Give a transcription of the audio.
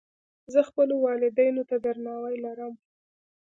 زه خپلو والدینو ته درناوی لرم.